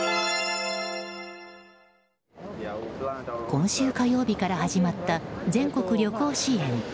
今週火曜日から始まった全国旅行支援。